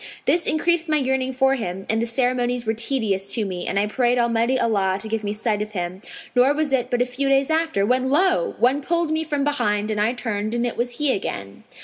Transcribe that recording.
This increased my yearning for him and the ceremonies were tedious to me and I prayed Almighty Allah to give me sight of him; nor was it but a few days after, when lo! one pulled me from behind, and I turned and it was he again.